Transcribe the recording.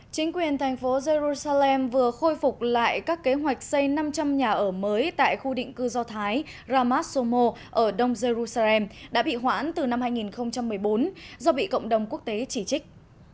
chính quyền thành phố jerusalem vừa khôi phục lại các kế hoạch xây năm trăm linh nhà ở mới tại khu định cư do thái ramas somo ở đông jerusalem đã bị hoãn từ năm hai nghìn một mươi bốn do bị cộng đồng quốc tế chỉ trích